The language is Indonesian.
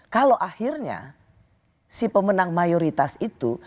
kalau akhirnya si pemenang mayoritas itu